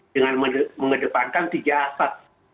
dengan mengedepankan tiga asas